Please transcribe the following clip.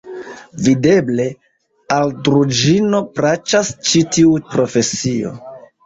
Videble, al Druĵino plaĉas ĉi tiu profesio!